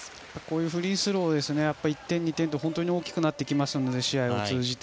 フリースローの１点、２点が本当に大きくなってきますので試合を通じて。